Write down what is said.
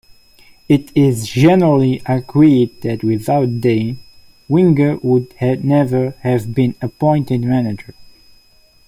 It is generally agreed that without Dein, Wenger would never have been appointed manager.